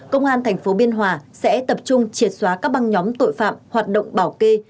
công an tp biên hòa sẽ tập trung triệt xóa các băng nhóm tội phạm hoạt động bảo kê